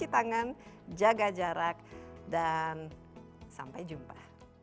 dan sampai jumpa